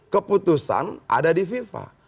keputusan ada di fifa